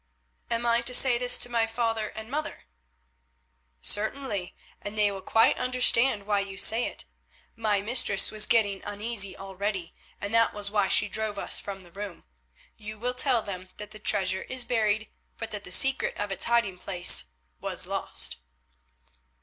"Am I to say this to my father and mother?" "Certainly, and they will quite understand why you say it. My mistress was getting uneasy already, and that was why she drove us from the room. You will tell them that the treasure is buried but that the secret of its hiding place was lost."